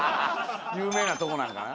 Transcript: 有名なとこなんかな。